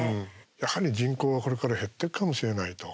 やはり人口がこれから減ってくかもしれないと。